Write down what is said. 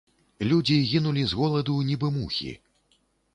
Людзі гінулі з голаду, нібы мухі.